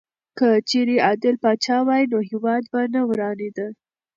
که چېرې عادل پاچا وای نو هېواد به نه ورانېدی.